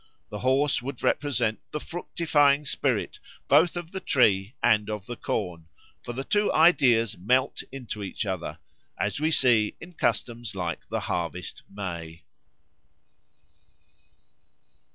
The horse would represent the fructifying spirit both of the tree and of the corn, for the two ideas melt into each other, as we see in customs like the Harvest May.